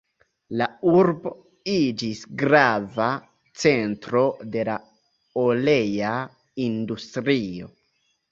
La urbo iĝis grava centro de la olea industrio.